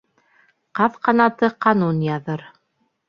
Ҡаҙ ҡанаты ҡанун яҙыр.